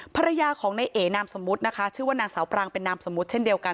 ภรรยาของในเอนามสมมุตินะคะชื่อว่านางสาวปรังเป็นนามสมมุติเช่นเดียวกัน